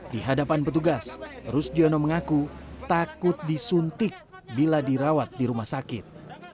di hadapan petugas rusdiono mengaku takut disuntik bila dirawat di rumah sakit